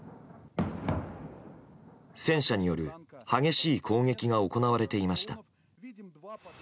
戦車による激しい攻撃が行われていました。